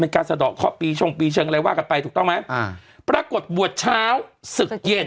การสะดอกเคาะปีชงปีเชิงอะไรว่ากันไปถูกต้องไหมอ่าปรากฏบวชเช้าศึกเย็น